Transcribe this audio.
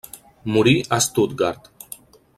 Morí a Stuttgart.